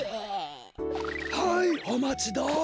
はいおまちどう。